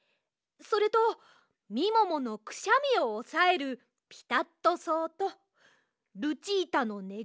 それとみもものくしゃみをおさえるピタットそうとルチータのね